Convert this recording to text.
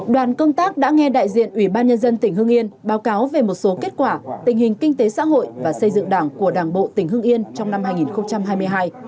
đoàn công tác đã nghe đại diện ủy ban nhân dân tỉnh hương yên báo cáo về một số kết quả tình hình kinh tế xã hội và xây dựng đảng của đảng bộ tỉnh hưng yên trong năm hai nghìn hai mươi hai